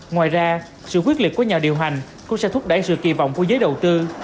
ngoài ra sự quyết liệt của nhà điều hành cũng sẽ thúc đẩy sự kỳ vọng của giới đầu tư